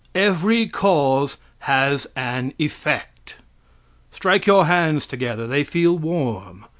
Every cause has an effect. Strike your hands together; they feel warm.